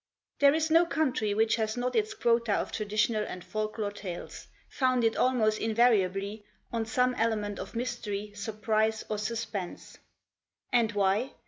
There is no coimtry which has not its quota of traditional and folk lore tales, foimded almost invariably on some ele ment of mystery, surprise or suspense. And why?